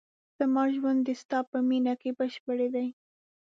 زما ژوند د ستا په مینه کې بشپړ دی.